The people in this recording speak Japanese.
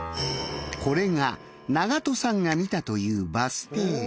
これが長門さんが見たというバス停。